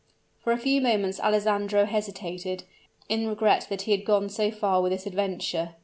For a few moments Alessandro hesitated, in regret that he had gone so far with this adventure.